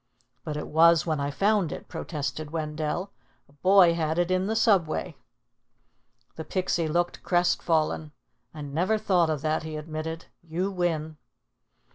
"But it was when I found it," protested Wendell. "A boy had it in the Subway." The Pixie looked crestfallen. "I never thought of that," he admitted. "You win."